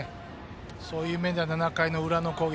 そういう面では７回の裏の攻撃